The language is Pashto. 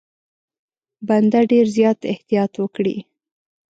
بنده ډېر زیات احتیاط وکړي.